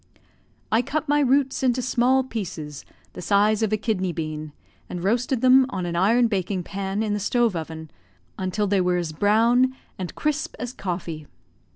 I cut my roots into small pieces, the size of a kidney bean, and roasted them on an iron baking pan in the stove oven, until they were as brown and crisp as coffee.